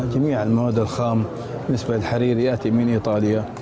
semua bahan kiswah dari saudi datang dari italia